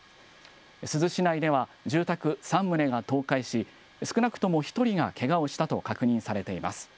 珠洲市内では、住宅３棟が倒壊し、少なくとも１人がけがをしたと確認されています。